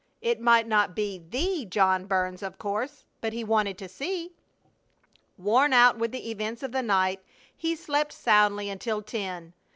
It might not be the John Burns of course, but he wanted to see. Worn out with the events of the night, he slept soundly until ten.